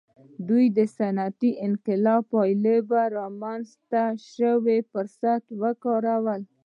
دوی د صنعتي انقلاب په پایله کې رامنځته شوي فرصتونه وکارول.